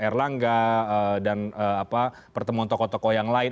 pertemuan jarlangga dan pertemuan tokoh tokoh yang lain